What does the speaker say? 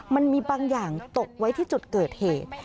มันมีบางอย่างตกไว้ที่จุดเกิดเหตุ